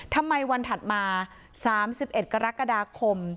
ทำไมวันถัดมา๓๑กรกฎาคม